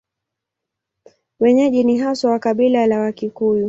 Wenyeji ni haswa wa kabila la Wakikuyu.